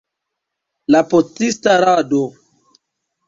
La potista rado.